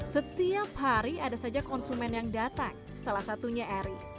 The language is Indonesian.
setiap hari ada saja konsumen yang datang salah satunya eri